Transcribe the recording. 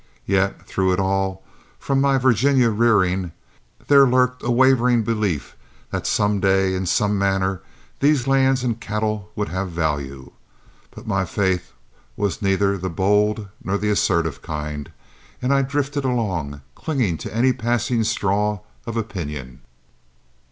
Yet through it all from my Virginia rearing there lurked a wavering belief that some day, in some manner, these lands and cattle would have a value. But my faith was neither the bold nor the assertive kind, and I drifted along, clinging to any passing straw of opinion.